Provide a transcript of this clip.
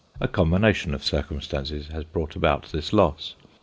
A combination of circumstances has brought about this loss.